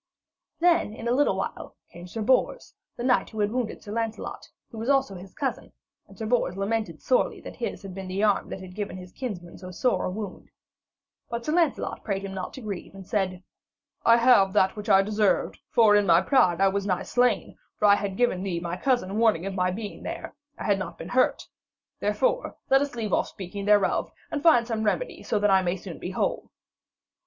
Then in a little while came Sir Bors, the knight who had wounded Sir Lancelot, who was also his cousin, and Sir Bors lamented sorely that his had been the arm that had given his kinsman so sore a wound. But Sir Lancelot prayed him not to grieve, and said: 'I have that which I deserved, for in my pride I was nigh slain, for had I given thee, my cousin, warning of my being there, I had not been hurt. Therefore, let us leave off speaking thereof, and let us find some remedy so that I may soon be whole.'